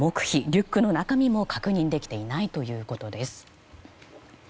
リュックの中身も確認できていないということです。